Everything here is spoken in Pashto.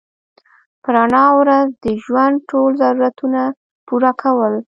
په رڼا ورځ د ژوند ټول ضرورتونه پوره کول